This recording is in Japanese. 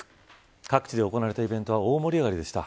各地で行われたイベントは大盛り上がりでした。